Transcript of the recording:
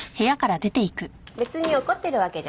別に怒ってるわけじゃないから。